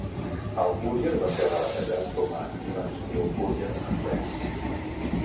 El "Courier" va ser rebatejat com a "Evansville Courier and Press".